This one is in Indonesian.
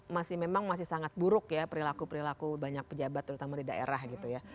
masih memang masih sangat buruk ya perilaku perilaku banyak pejabat terutama di daerah gitu ya